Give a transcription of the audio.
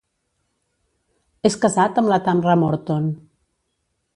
És casat amb la Tamra Morton.